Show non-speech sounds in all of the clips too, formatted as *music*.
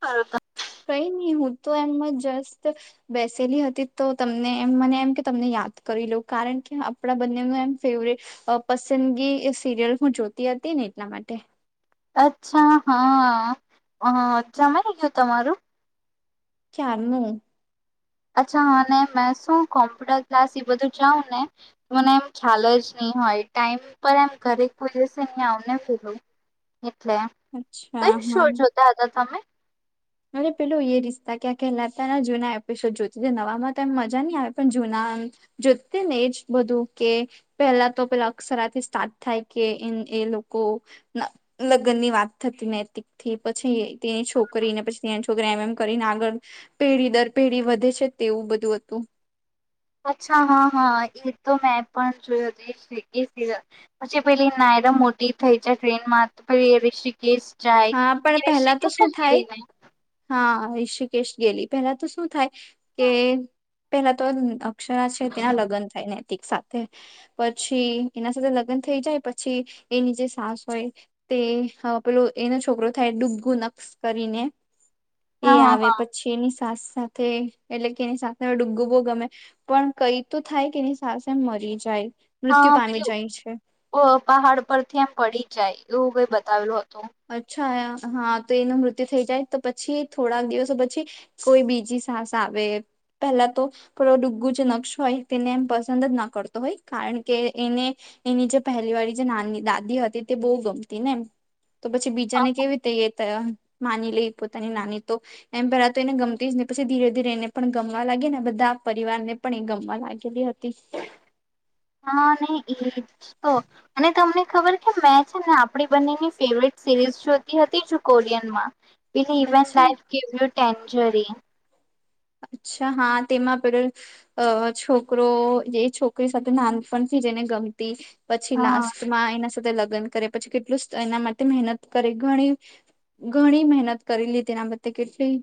હા. *unintelligible* કઈ નહી હું તો એમ જ જસ્ટ, બેસેલી હતી તો તમને એમ મને એમ કે તમને યાદ કરી લઉ કારણ કે આપણા બંનેનુ એમ ફેવરેટ, પસંદગી સિરિયલ હું જોતી હતી ને એટલા માટે. અચ્છા હા, જમાય ગયું તમારું? ક્યારનુ. અચ્છા અને મે શું કોમ્પ્યુટર ક્લાસ એ બધુ જાઉ ને મને એમ ખ્યાલ જ નહી હોય, ટાઈમ પર એમ ઘરે કોઈ જશે અહીં આવને. એટલે અચ્છા કયો શો હા જોતા હતા તમે? અરે પેલું એ રિસ્તા કે પેલા ત જૂના એપિસોડ જોતી નવાવામા તો એમ મજા ની આવે પણ જૂનામ જોતી ને એજ બધું કે પેલા તો પેલા અક્ષરથી સ્ટાર્ટ થાય કે એ લોકો લગ્ન ની વાત થતી નૈતિક થી પછી તેની છોકરી ને પછી છોકરા એમ એમ કરીને આગળ પેઢી દર પેઢી વધે છે તેવુ બધું હતુ અચ્છા હા હા એ તો મેં પણ જોયો પછી પેલી નાયર મોટી થઈ જાય ટ્રેન મા તો પછી રીસી કેસ જાય હા એ પણ પહેલા રીશિકેશ જ ગઇને રિષિકેશ ગેલી પેલા તો શું થાય કે પેલા તો અક્ષરા છે ત્યાં લગન થાય ને સાથે પછી એના સાથે લગ્ન થઈ જાય પછી એની જે સાસ હોય તે પેલું એનો છોકરો થાય ડૂબગું નક્શ કરીને એ હા આવે હા પછી એની સાસ સાથે એટલે કે એની સાથે ડૂગુબો ગમે પણ કઈ તો થાય કે એની સ્ છેને મરી જાય મૃત્યુ હા પામી જાય છે પેલું પહાડ પરથી એમ પડી જાય એવું કઈઆ બતાવેલુ તો હા તો એનું મૃત્યુ થઈ જાય તો પછી થોડાક દિવસો પછી કોઈ બીજી સાસ આવે પહેલા તો ડૂગ્ગું જે નકશ હોય તેને એમ પસંદ જ ના કરતો હોય કારણ કે એને એની જે પહેલી વાળી જે નાની દાદી હતી તે બહુ ગમતી ને એમ તો પછી બીજા ને કેવી રીતે થયા માની લઈ પોતાની નાની તો એમ પહેલા તો એને ગમતી જ ને પછી ધીરે ધીરે એને પણ ગમવા લાગી ને બધા પરિવારને પણ એ ગમવા લાગેલી હતી હા ને એજ તો અને તમને ખબર કે મેં છે ને આપડી બંનેની ફેવરેટ સિરીઝ જોતી હતી કોરિયનમાં અચ્છા *unintelligible* ટેન્ચરી અચ્છા, હા, તેમાં પેલો અ છોકરો જે છોકરી સાથે નાનપણથી જ એને ગમતી પછી હા લાસ્ટમાં એના તે લગ્ન કરે પછી કેટલું એના માટે મહેનત કરી ઘણી, ઘણી મહેનત કરી લીધી એના બ કેટલી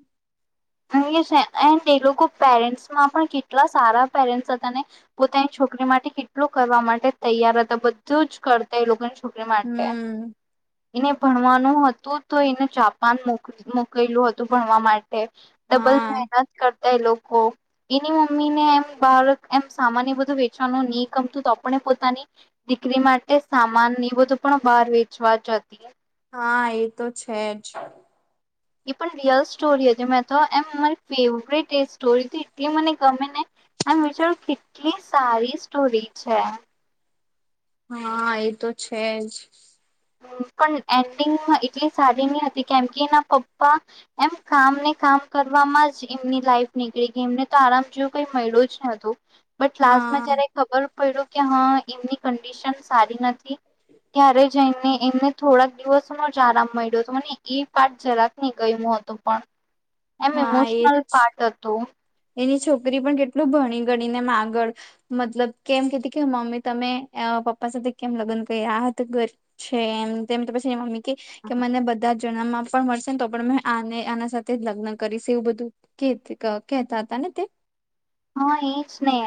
*unintelligible* એન્ડ એ લોકો પેરેન્ટ્સમાં પણ કેટલા સારા પેરેન્ટ્સ હતા ને પોતાની છોકરી માટે કેટલો કરવા માટે તૈયાર હતા બધું જ કરતા એ લોકો છોકરી માટે, હમ એને ભણવા નહતું તો એને જાપાન મો મોકલું હતું ભણવા માટે ડબલ હા મહેનત કર એ લોકો એની મમ્મી ને એમ બાર એમ સામાન એ બધું વેચવાનું ની ગમતું તો આપણે પોતાની દીકરી માટે સામાન એ બધું પણ બહાર વેચવા જતી. હા એ તો છે જ. એ પણ રિયલ સ્ટોરી હતી મેં તો એમ મારી ફેવરેટ એ સ્ટોરી એટલી મને ગમે ને એમ વિચારું કેટલી સારી સ્ટોરી છે. હા એ તો છે જ. પણ એન્ડિંગમાં એટલી સારી ની હતી કેમ કે એના પપ્પા એમ કામને કામ કરવામાં જ એમની લાઈફ નીકળી ગઈ એમને તો આરામ જેવું કઈ મળ્યું જ ન હતું. બટ લાસ્ટમાં હા જયારે ખબર પયડુ કે હા એમની કંડિશન સારી નથી ત્યારે જઈને એમને થોડાક દિવસોનો જ આરામ મળ્યો હતો મને એ વાત જરાક નહીં ગયમો હતો પણ. એમ હા એ ઇમોશનલ પાર્ટ હતું. એની છોકરી પણ કેટલું ભણીગણીને આગળ મતલબ કેમ કેહતી કે મમ્મી તમે પપ્પા સાથે કેમ લગ્ન કયરા આ ઘર છે એમ તેમ તો પછી એન મમ્મી કેય કે મને બધા જ જન્મમાં પણ મળશે ને તો પણ મેં આને આના સાથે જ લગ્ન કરીશ એવું બધું કેત ક કહેતા હતા ને તે. હા એજ ને.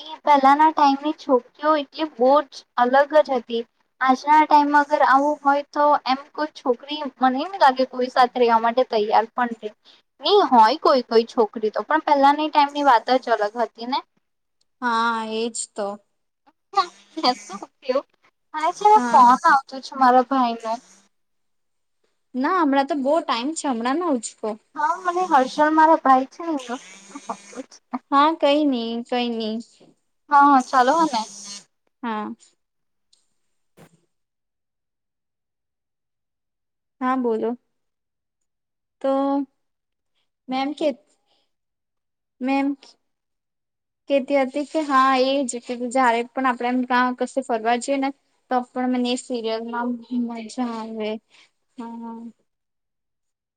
એ પહેલાના ટાઈમની છોકરીઓ એટલી બહુ જ અલગ જ હતી આજના ટાઈમમાં અગર આવું હોય તો એમ કોઈ છોકરી મને ની લાગે કોઈ સાથે રહેવા માટે તૈયાર પણ નહીં હોય કોઈ કોઈ છોકરી તો પણ પેહલાની ટાઈમની વાત જ અલગ હતી ને. હા, એજ તો. મેં શું કેવું? મારે છે ને, હા ફોન આવતો છે. તમારા ભાઈનો ના, હમણાં તો બહુ ટાઈમ છે હમણાં ના ઉચ હા. મને હર્ષલ મારા ભાઈ છે ને એનો હા, કંઈ નઈ કંઈ ની. હા હ ચલો હને. હ. હા, બોલો. તો મેં એમ કે મેં એમ કેતી હતી કે હા એજ કે જયારે પણ આપણે આમ કશે ફરવા જઈએ ને, તો પણ મને સિરિયલમાં મજા આવે હ.